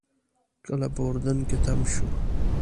کله به اردن کې تم شو.